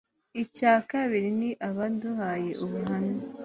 icya kabiri ni abaduhaye ubuhamya